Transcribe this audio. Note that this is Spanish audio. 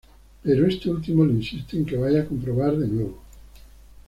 Pero este último le insiste en que vaya a comprobar de nuevo.